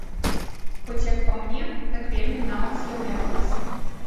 Хоць як па мне, так вельмі нават з'яўляецца.